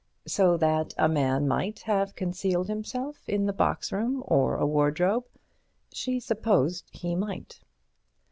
So that a man might have concealed himself in the box room or a wardrobe? She supposed he might.